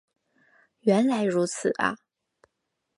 原来如此啊